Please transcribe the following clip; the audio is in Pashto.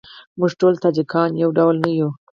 موږ ټول تاجیکان یو ډول نه یوو.